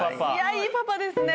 いいパパですね。